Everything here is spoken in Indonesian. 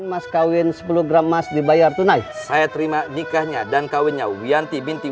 mas kawin sepuluh gram emas dibayar tunai saya terima nikahnya dan kawinnya wiyanti binti